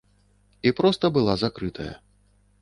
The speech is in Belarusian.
І проста была закрытая.